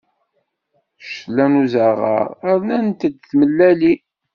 D ccetla n uẓaɣaṛ, rnant-d tmellalin.